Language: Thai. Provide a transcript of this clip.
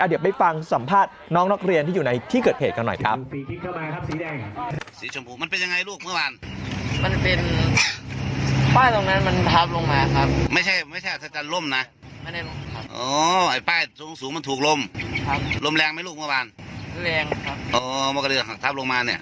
เดี๋ยวไปฟังสัมภาษณ์น้องนักเรียนที่อยู่ในที่เกิดเหตุกันหน่อยครับ